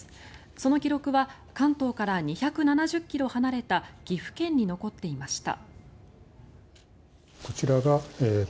その記録は関東から２７０ｋｍ離れた岐阜県に残っていました。